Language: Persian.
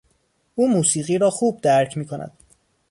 او موسیقی را خوب درک میکند.